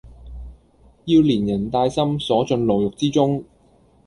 要連人帶心鎖進牢獄之中！